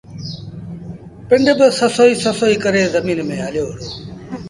پنڊ با سسئيٚ سسئيٚ ڪري زميݩ ميݩ هليو وُهڙو۔